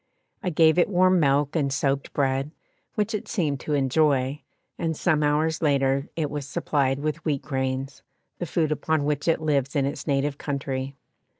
I gave it warm milk and soaked bread, which it seemed to enjoy, and some hours later it was supplied with wheat grains, the food upon which it lives in its native country.